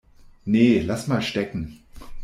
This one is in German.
Nee, lass mal stecken.